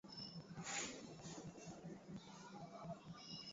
mapishi ya viazi bora yanayotunza virutubisho